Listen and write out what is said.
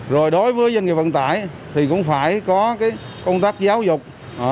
rồi đối với doanh nghiệp vận tải thì cũng phải có công tác giáo dục